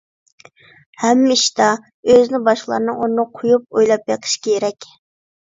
ھەممە ئىشتا ئۆزىنى باشقىلارنىڭ ئورنىغا قويۇپ ئويلاپ بېقىش كېرەك.